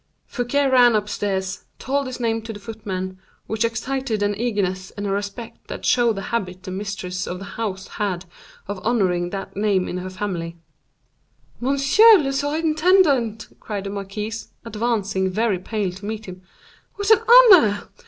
Fouquet ran upstairs, told his name to the footman, which excited an eagerness and a respect that showed the habit the mistress of the house had of honoring that name in her family. "Monsieur le surintendant," cried the marquise, advancing, very pale, to meet him; "what an honor!